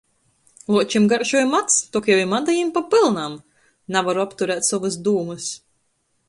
Luočim garšoj mads, tok jau i mada jim papylnam! Navaru apturēt sovys dūmys...